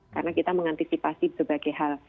karena kita mengantisipasi berbagai hal